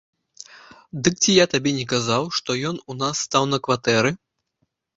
Дык ці я табе не казаў, што ён у нас стаў на кватэры.